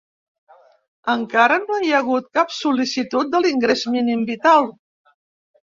Encara no hi ha hagut cap sol·licitud de l'ingrés mínim vital.